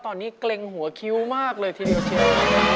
ตอนนี้เกร็งหัวคิ้วมากเลยทีเดียวเชียว